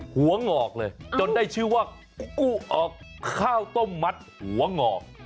หงอกเลยจนได้ชื่อว่ากู้ออกข้าวต้มมัดหัวหงอก